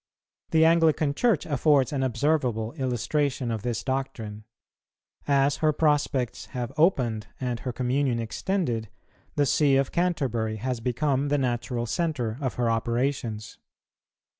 The Anglican Church affords an observable illustration of this doctrine. As her prospects have opened and her communion extended, the See of Canterbury has become the natural centre of her operations.